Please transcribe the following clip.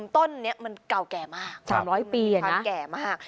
ต้นนี้มันเก่าแก่มาก๓๐๐ปีอย่างนั้น